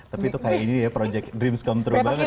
tapi itu kayak ini ya project dreams comtory banget